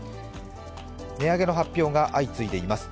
値上げの発表が相次いでいます。